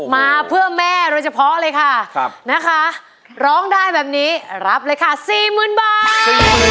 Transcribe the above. มาเพื่อแม่โดยเฉพาะเลยค่ะนะคะร้องได้แบบนี้รับเลยค่ะสี่หมื่นบาท